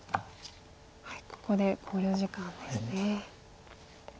ここで考慮時間ですね。